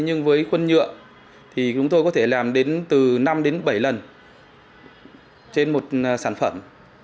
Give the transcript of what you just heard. nhưng với khuôn nhựa thì chúng tôi có thể làm đến từ năm đến bảy lần trên một sản phẩm